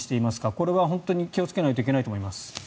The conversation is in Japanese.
これは本当に気をつけないといけないと思います。